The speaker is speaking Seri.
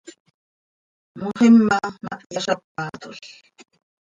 Moxima ma hyazápatol.